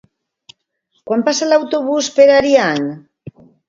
Quan passa l'autobús per Ariany?